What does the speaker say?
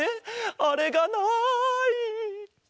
あれがない。